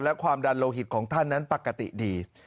และความดันโลหิตของท่านนั้นปกติดี